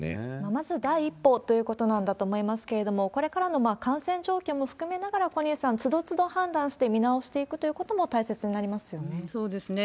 まず第一歩ということなんだと思いますけれども、これからの感染状況も含めながら小西さん、つどつど判断して見直していくということも大切になりますよね。